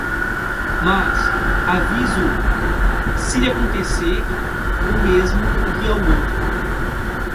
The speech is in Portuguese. Mas aviso-o: se lhe acontecer o mesmo que ao outro